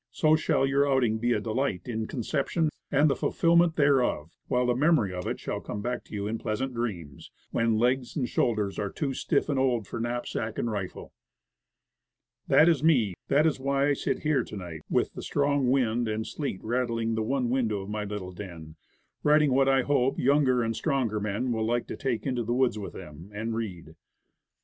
So shall your outing be a delight in conception and the ful fillment thereof; while the memory of it shall come back to you in pleasant dreams, when legs and shoul ders are too stiff and old for knapsack and rifle. That is me. That is why I sit here to night with the north wind and sleet rattling the one win dow of my little den writing what I hope younger and stronger men will like to take into the woods with them, and read.